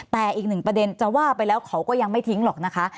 แต่อีกหนึ่งประเด็นจะว่าไปแล้วเขาก็ยังไม่ทิ้งหรอกนะคะ